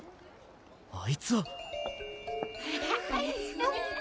あいつは！